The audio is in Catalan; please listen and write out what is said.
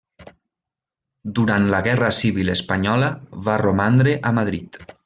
Durant la guerra civil espanyola va romandre a Madrid.